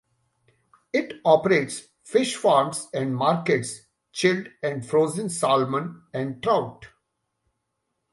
It operates fish farms and markets chilled and frozen salmon and trout.